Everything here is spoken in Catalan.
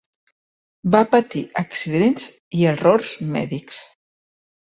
Va partir accidents i errors mèdics.